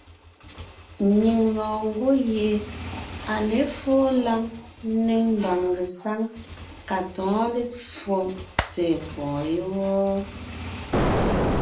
Nyìŋ lɔɔn ngwɔ́ gie à ně fóo lǎŋ ńnéŋ mbàŋ ngesáŋ ka tɔ̌ɔn lepfo tsɛ̀ɛ pɔ̀ɔn yé wɔ́.